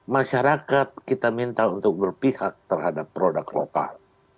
masyarakat kita minta untuk berpihak terhadap produk lokal